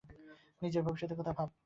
নিজের ভবিষ্যতের কথা ভাব।